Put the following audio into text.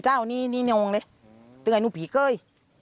จะให้บินรายจุดให้อยู่เคย